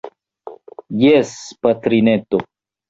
Jes, patrineto.